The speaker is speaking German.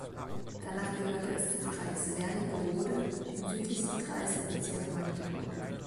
Danach gehörte es zum Kreis Wernigerode, dem südlichsten Kreis im Bezirk Magdeburg.